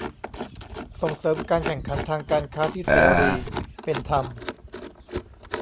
ส่งเสริมการแข่งขันทางการค้าที่เสรี เป็นธรรม